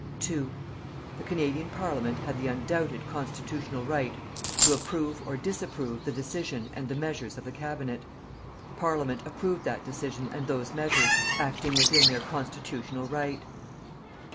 2. The Canadian Parliament had the undoubted constitutional right to approve or disapprove the decision and the measures of the Cabinet. Parliament approved that decision and those measures, acting within their constitutional right.